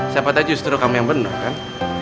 siapa tahu justru kamu yang benar kan